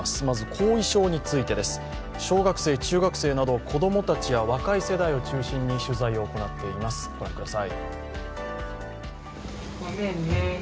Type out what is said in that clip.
小学生、中学生など小学生、中学生など子供たちや若い世代を中心に取材を行っています、御覧ください